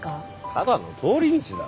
ただの通り道だ。